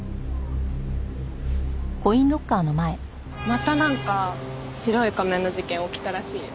またなんか白い仮面の事件起きたらしいよ。